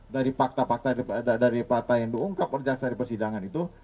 dari fakta fakta yang diungkap oleh jaksari persidangan itu